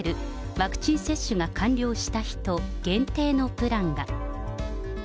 ワクチン接種が完了した人限定のプランが。